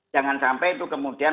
jangan sampai itu kemudian